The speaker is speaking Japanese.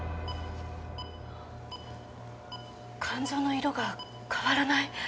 肝臓の色が変わらない。